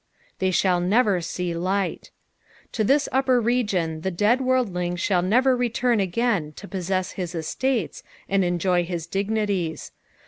"They shall naier see light." To this upper region the dead worldling shall neverreturn uaJD to possess his estates, and enjoy his dignities.